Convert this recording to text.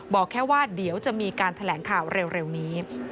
บอกแค่ว่าเดี๋ยวจะมีการแถลงข่าวเร็วนี้